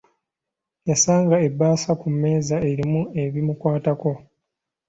Yasanga ebbaasa ku mmeeza erimu ebimukwatako.